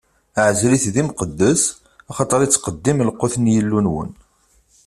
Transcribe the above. Ɛezl-it d imqeddes, axaṭer ittqeddim lqut n Yillu-nwen.